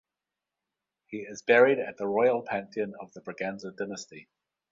He is buried at the Royal Pantheon of the Braganza Dynasty.